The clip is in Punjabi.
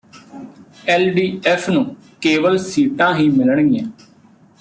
ਐਲਡੀਐਫ਼ ਨੂੰ ਕੇਵਲ ਸੀਟਾਂ ਹੀ ਮਿਲਣਗੀਆਂ